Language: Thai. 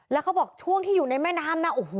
แล้วเขาบอกช่วงที่อยู่ในแม่น้ำนะโอ้โห